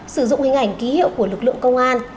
sử dụng hình ảnh ký hiệu của lực lượng công an